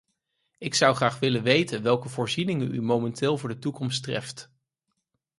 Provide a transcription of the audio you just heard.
Ik zou graag willen weten welke voorzieningen u momenteel voor de toekomst treft.